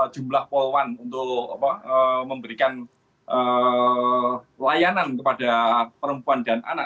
jumlah poluan untuk memberikan layanan kepada perempuan dan anak